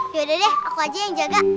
yaudah deh aku aja yang jaga